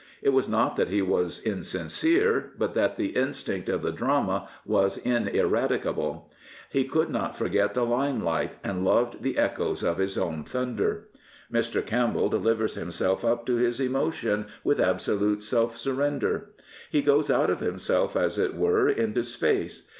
It was not that he was insincere, but that the instinct of the drama was ineradicable. He could not forget the limelight, and loved the echoes of his own thunder. Mr. Campbell delivers himself up to his emotion with absolute self surrender. He goes out of himself, as it were, into space.